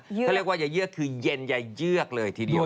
ถ้าเรียกว่าจะเยือกคือเย็นจะเยือกเลยทีเดียว